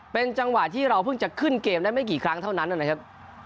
เป็นจังหวะที่เราเพิ่งจะขึ้นเกมได้ไม่กี่ครั้งเท่านั้นนะครับ